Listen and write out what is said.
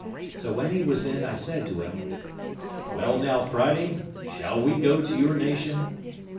So when he was in, I said to him, "Well, now, Friday, shall we go to your nation?"